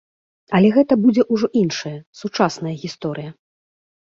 Але гэта будзе ўжо іншая, сучасная гісторыя.